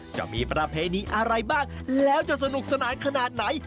จะมีประเพณีอะไรบ้างแล้วจะสนุกสนานขนาดไหน